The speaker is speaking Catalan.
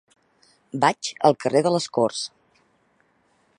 Vaig al carrer de les Corts.